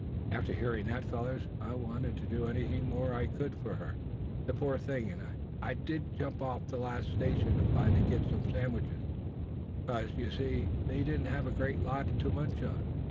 After hearin' that, fellers, I wanted to do anything more I could for the poor thing; and I did jump off at the last station, and buy the kids some sandwiches, 'cause, you see, they didn't have a great lot to munch on.